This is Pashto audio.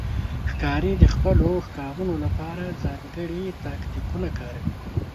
ښکاري د خپلو ښکارونو لپاره ځانګړي تاکتیکونه کاروي.